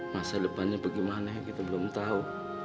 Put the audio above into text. masa depannya bagaimana kita belum tahu